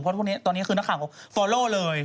เพราะตอนนี้ตอนนี้คือนักข่าวพอลล่าวเลย